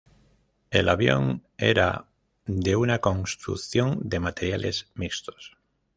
El avión era de una construcción de materiales mixtos.